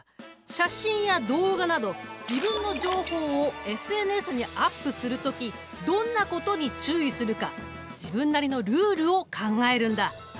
写真や動画など自分の情報をＳＮＳにアップする時どんなことに注意するか自分なりのルールを考えるんだ！